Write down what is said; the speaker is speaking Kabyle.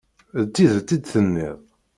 D tidet i d-tenniḍ?